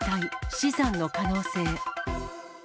死産の可能性。